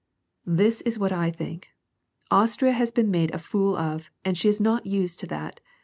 " "This is what I think ; Austria has been made a fool of and she is not used to that.